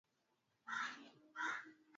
Wapendwa msife moyo kwani tunaye Mungu.